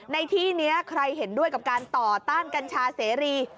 ในที่นี้ใครเห็นด้วยกับการต่อต้านกัญชาเสรี